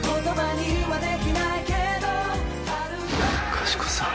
かしこさん。